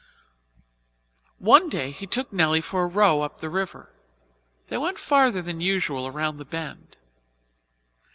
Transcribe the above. One day he took Nelly for a row up the river. They went further than usual around the Bend.